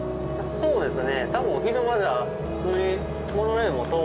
そうですね。